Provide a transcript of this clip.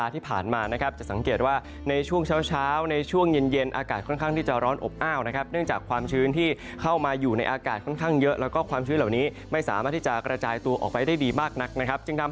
ทิฟฟี่อ่านคำเตือนในฉลากรใช้ยา